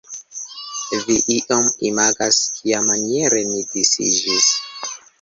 Vi iom imagas kiamaniere ni disiĝis.